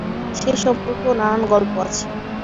সেই সম্পর্কেও নানান গল্প আছে।